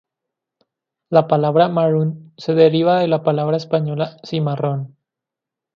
La palabra "maroon" se deriva de la palabra española cimarrón.